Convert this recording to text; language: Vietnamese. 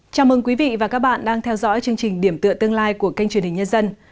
chào mừng quý vị và các bạn đang theo dõi chương trình điểm tựa tương lai của kênh truyền hình nhân dân